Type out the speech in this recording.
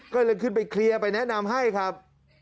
ก็เลยขึ้นไปเคลียร์ไปแนะนำให้ครับ